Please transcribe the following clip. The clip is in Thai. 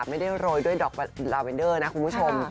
ไม่ได้โรยด้วยดอกลาเวนเดอร์นะคุณผู้ชม